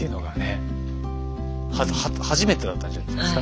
初めてだったんじゃないですか？